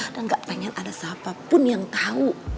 dan gak pengen ada siapa pun yang tahu